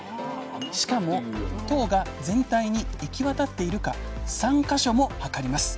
しかも糖が全体に行き渡っているか３か所も測ります。